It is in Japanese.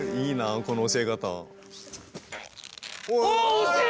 惜しい！